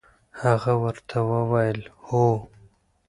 هغه ورته وویل: هو.